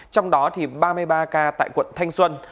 trong đó thì ba mươi ba ca tại quận thanh xuân